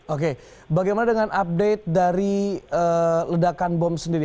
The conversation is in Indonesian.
oke bagaimana dengan update dari ledakan bom sendiri